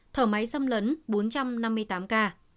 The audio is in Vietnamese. thở máy xâm lấn bốn trăm năm mươi tám ca